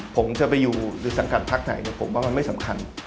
ผมจะไปอยู่หรือสังกัดพักไหนผมว่ามันไม่สำคัญ